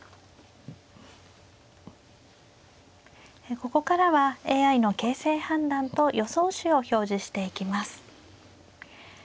ここからはＡＩの形勢判断と予想手を表示していきます。